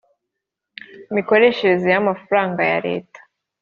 mikoreshereze y amafaranga ya Leta